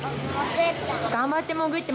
頑張って潜って。